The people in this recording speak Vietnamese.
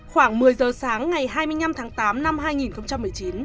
khoảng một mươi giờ sáng ngày hai mươi năm tháng tám năm hai nghìn một mươi chín